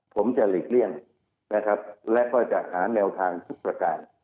ผมจะหลีกเลี่ยงนะครับและก็จะหาแนวทางทุกประการ